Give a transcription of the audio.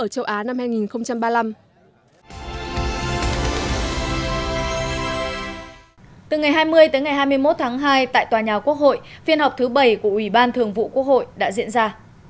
từ ngày hai mươi tới ngày hai mươi một tháng hai tại tòa nhà quốc hội phiên họp thứ bảy của ủy ban thường vụ quốc hội đã diễn ra